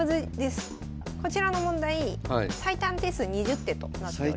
こちらの問題最短手数２０手となっております。